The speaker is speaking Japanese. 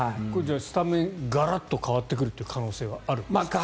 スタメンガラッと変わってくる可能性はあるんですか？